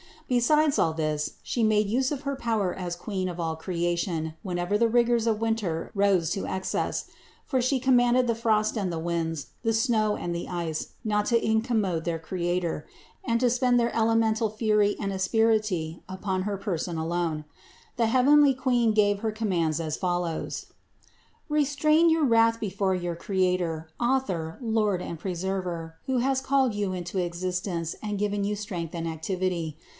Besides all this 458 CITY OF GOD She made use of her power as Queen of all creation whenever the rigors of winter rose to excess; for She commanded the frost and the winds, the snow and the ice not to incommode their Creator, and to spend their elemental fury and asperity upon her person alone. The heavenly Queen gave her commands as follows : "Re strain your wrath before your Creator, Author, Lord and Preserver, who has called you into existence and given you strength and activity.